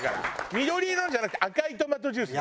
緑色のじゃなくて赤いトマトジュースね。